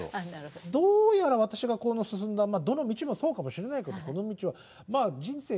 どうやら私が進んだどの道もそうかもしれないけど人生